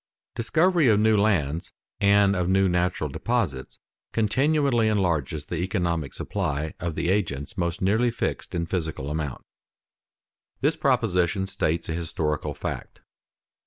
_Discovery of new lands and of new natural deposits continually enlarges the economic supply of the agents most nearly fixed in physical amount._ This proposition states a historical fact.